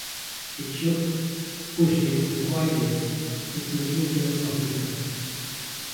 It should push its inquiries into new fields of research.